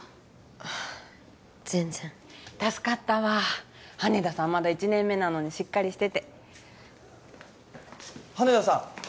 あ全然助かったわ羽田さんまだ１年目なのにしっかりしてて羽田さん！